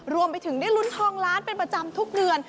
รวมไปถึงได้ลุ้นทองล้านเป็นประจำทุกเดือน